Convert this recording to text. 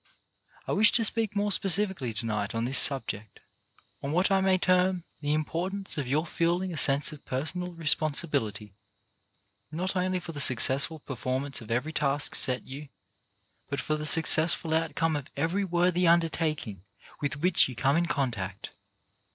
I wish to speak more specifically to night on this subject — on what I may term the im portance of your feeling a sense of personal re sponsibility not only for the successful perform ance of every task set you, but for the successful outcome of every worthy undertaking with which you come in contact.